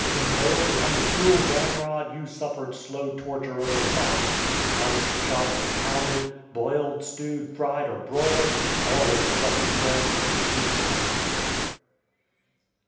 Impaled upon the cruel ramrod you suffered slow torture over the fire. Sliced, chopped, and pounded; boiled, stewed, fried, or broiled, always a trusty friend, and sweet comforter.